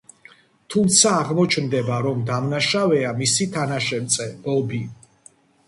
თუმცა, აღმოჩნდება, რომ დამნაშავეა მისი თანაშემწე, ბობი.